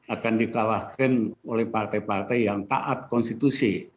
akan dikalahkan oleh partai partai yang taat konstitusi